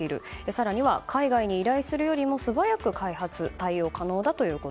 更には海外に依頼するよりも素早く開発、対応が可能だと。